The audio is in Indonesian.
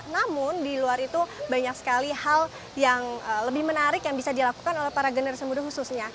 namun di luar itu banyak sekali hal yang lebih menarik yang bisa dilakukan oleh para generasi muda khususnya